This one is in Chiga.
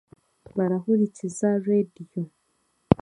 Barahurikiza reediyo.